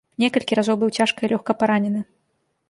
Некалькі разоў быў цяжка і лёгка паранены.